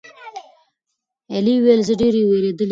ایلي وویل: "زه ډېره وېرېدلې وم."